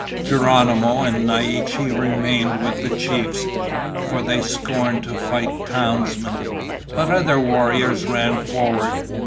Geronimo and Naiche remained with the chiefs, for they scorned to fight townsmen. But other warriors ran forward.